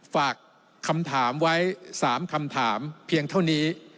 ฝากคำถามไว้๓คำถามเพียงเท่านี้